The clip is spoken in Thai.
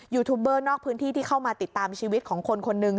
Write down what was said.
ยูทูบเบอร์นอกพื้นที่ที่เข้ามาติดตามชีวิตของคนคนหนึ่ง